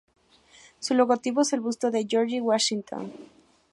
Su logotipo es el busto de George Washington.